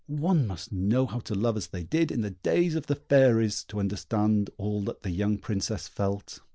One must know how to love as they did in the days of the Fairies, to understand all that the young Princess felt.